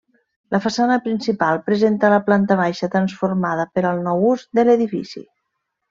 La façana principal presenta la planta baixa transformada per al nou ús de l'edifici.